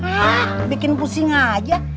hah bikin pusing aja